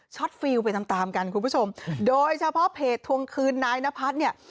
ฟิลไปตามตามกันคุณผู้ชมโดยเฉพาะเพจทวงคืนนายนพัฒน์เนี่ย